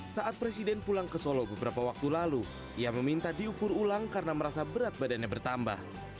saat presiden pulang ke solo beberapa waktu lalu ia meminta diukur ulang karena merasa berat badannya bertambah